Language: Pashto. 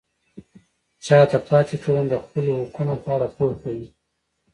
شاته پاتې ټولنه د خپلو حقونو په اړه پوهه کوي.